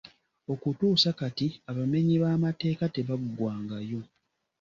Okutuusa kati abamenyi b’amateeka tebaggwangayo.